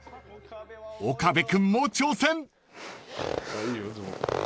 ［岡部君も挑戦］